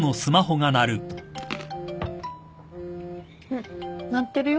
んっ鳴ってるよ。